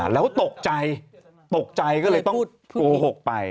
แล้วตกใจตกใจก็เลยต้องโกหกไป